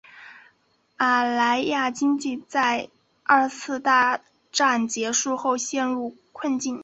马来亚经济在二次大战结束后陷于困境。